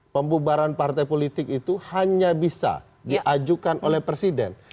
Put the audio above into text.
pembubaran partai politik itu hanya bisa diajukan oleh presiden